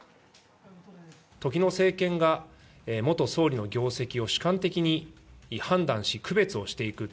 時の政権が、元総理の業績を主観的に判断し、区別をしていく。